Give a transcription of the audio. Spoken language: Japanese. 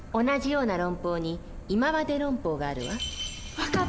同じような論法に「いままで論法」があるわ。